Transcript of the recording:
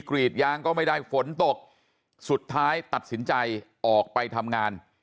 กรีดยางก็ไม่ได้ฝนตกสุดท้ายตัดสินใจออกไปทำงาน